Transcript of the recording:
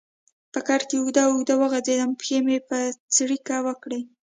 په کټ کې اوږد اوږد وغځېدم، پښې مې څړیکه وکړې.